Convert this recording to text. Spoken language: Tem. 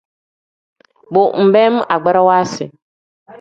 Bo nbeem agbarawa si.